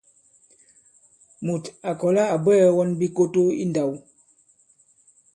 Mùt à kɔ̀la à bwɛɛ̄ wɔn bikoto i ndāw.